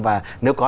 và nếu có